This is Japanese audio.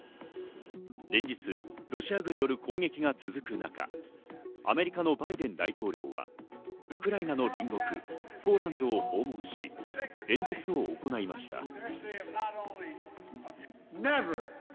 連日、ロシア軍による攻撃が続く中、アメリカのバイデン大統領はウクライナの隣国、ポーランドを訪問し、演説を行いました。